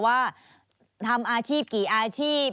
ว่าทำอาชีพกี่อาชีพ